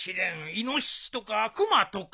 イノシシとか熊とか。